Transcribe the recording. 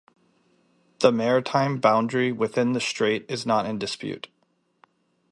The maritime boundary within the strait is not in dispute.